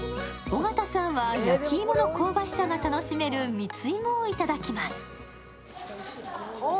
尾形さんは焼き芋の香ばしさを楽しめる蜜芋を頂きます。